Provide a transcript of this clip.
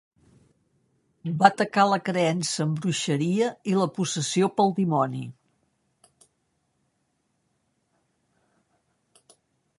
Va atacar la creença en bruixeria i la "possessió" pel dimoni.